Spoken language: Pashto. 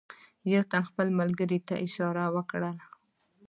یوه تن خپل ملګري ته اشاره وکړه.